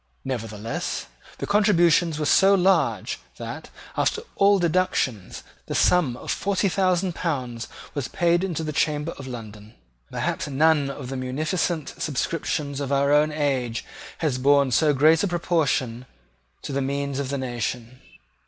Nevertheless the contributions were so large that, after all deductions, the sum of forty thousand pounds was paid into the Chamber of London. Perhaps none of the munificent subscriptions of our own age has borne so great a proportion to the means of the nation.